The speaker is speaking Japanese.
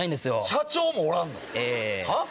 社長もおらんの⁉はぁ？